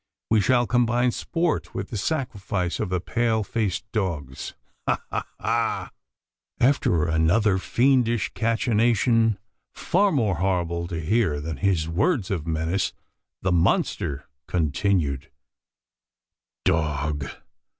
We shall combine sport with the sacrifice of the pale faced dogs ha, ha, ha!" After another fiendish cachinnation, far more horrible to hear than his words of menace, the monster continued: "Dog!